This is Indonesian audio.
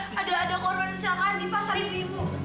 susur lihat gak ada korban kecelakaan di pasar ibu ibu